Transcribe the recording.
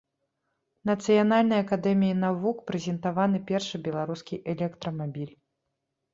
Нацыянальнай акадэміяй навук прэзентаваны першы беларускі электрамабіль.